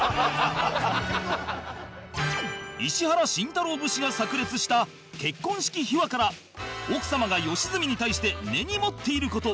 石原慎太郎節が炸裂した結婚式秘話から奥様が良純に対して根に持っている事